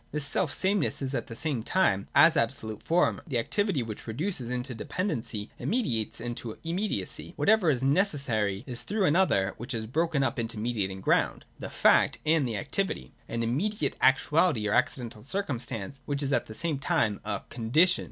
This selfsameness is at the same time, as absolute form, the activity which reduces into depen dency and mediates into immediacy. — Whatever is necessary is through an other, which is broken up into the mediating ground (the Fact and the Activity) and an immediate actuality or accidental circumstance, which is at the same time a Condition.